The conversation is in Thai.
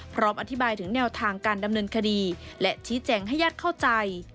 พร้อมอธิบายถึงแนวทางการดำเนินคดีและชี้แจงให้ญาติเข้าใจ